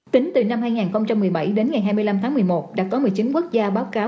tính từ năm hai nghìn một mươi bảy đến ngày hai mươi năm tháng một mươi một đã có một mươi chín quốc gia báo cáo